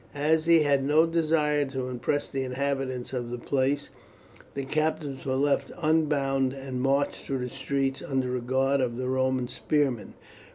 As he had no desire to impress the inhabitants of the place, the captives were left unbound and marched through the streets under a guard of the Roman spearmen.